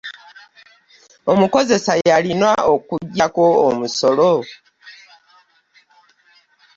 Omukozesa y'alina okukuggyako omusolo.